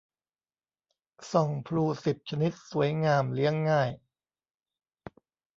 ส่องพลู สิบ ชนิด สวยงาม เลี้ยงง่าย